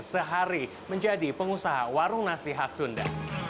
sehari menjadi pengusaha warung nasi khas sunda